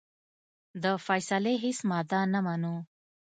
د فیصلې هیڅ ماده نه منو.